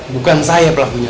bukan saya pelakunya